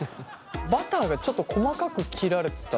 バターがちょっと細かく切られてたじゃないですか。